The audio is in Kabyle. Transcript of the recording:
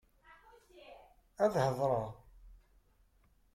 Ad hedṛeɣ.